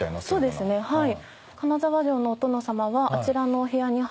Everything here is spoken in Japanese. そうですねはい。